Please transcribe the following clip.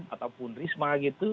ataupun risma gitu